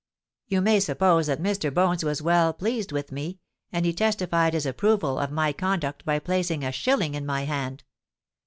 "You may suppose that Mr. Bones was well pleased with me; and he testified his approval of my conduct by placing a shilling in my hand.